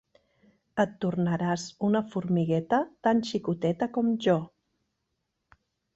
Et tornaràs una formigueta tan xicoteta com jo.